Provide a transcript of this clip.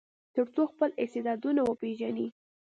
تر څو خپل استعدادونه وپیژني.